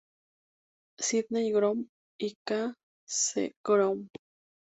Sydney Groom y K. C. Groom.